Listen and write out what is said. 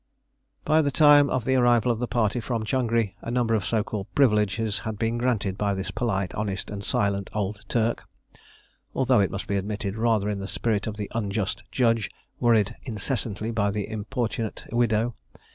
By the time of the arrival of the party from Changri, a number of so called privileges had been granted by this polite, honest, and silent old Turk although, it must be admitted, rather in the spirit of the unjust judge worried incessantly by the importunate widow.